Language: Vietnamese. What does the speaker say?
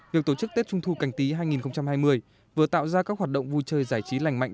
việc tổ chức tết trung thu cảnh tí hai nghìn hai mươi vừa tạo ra các hoạt động vui chơi giải trí lành mạnh